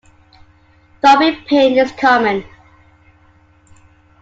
Throbbing pain is common.